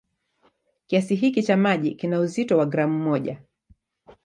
Kiasi hiki cha maji kina uzito wa gramu moja.